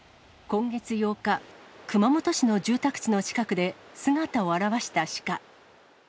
今月８日、熊本市の住宅地の近くで姿を現したシカ。